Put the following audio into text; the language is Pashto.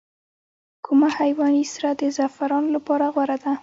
کوم حیواني سره د زعفرانو لپاره غوره ده؟